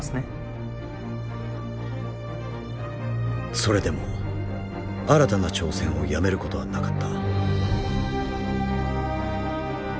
それでも新たな挑戦をやめることはなかった。